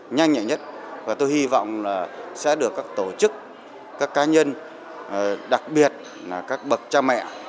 nhanh nhạy nhất và tôi hy vọng là sẽ được các tổ chức các cá nhân đặc biệt là các bậc cha mẹ